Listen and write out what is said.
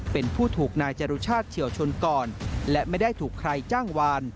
เป็นผู้ถูกนายจรุชาติเฉียวชนก่อนและไม่ได้ถูกใครจ้างวาน